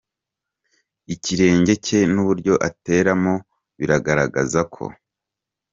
Ikirenge cye n’uburyo ateramo biragaragaza ko.